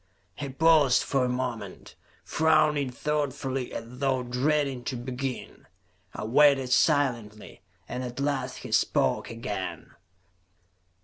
He paused for a moment, frowning thoughtfully as though dreading to begin. I waited silently, and at last he spoke again.